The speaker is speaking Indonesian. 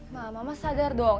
ma mama sadar dong